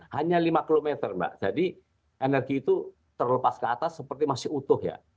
hanya lima km mbak jadi energi itu terlepas ke atas seperti masih utuh ya